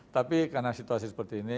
tapi karena situasi seperti ini